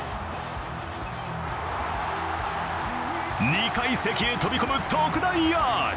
２階席へ飛び込む特大アーチ。